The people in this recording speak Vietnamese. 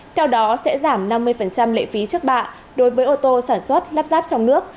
theo đó sẽ giảm năm mươi lệ phí trước bạ đối với ô tô sản xuất lắp ráp trong nước